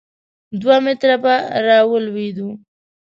دوه متره به راولوېدو.